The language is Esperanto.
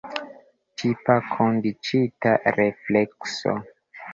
Tipa kondiĉita reflekso.